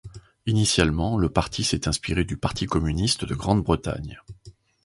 Initialement le parti s'est inspiré du parti communiste de Grande-Bretagne.